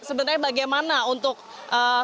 sebenarnya bagaimana untuk mengevakuasi